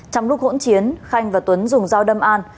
trong lúc hỗn chiến khanh và tuấn dùng dao đâm an